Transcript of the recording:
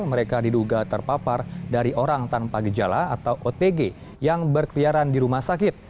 mereka diduga terpapar dari orang tanpa gejala atau otg yang berkeliaran di rumah sakit